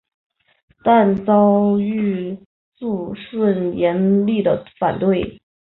但遭遇肃顺严厉的反对。